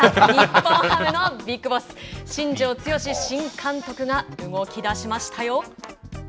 日本ハムのビッグボス、新庄剛志新監督が動き出しましたよ。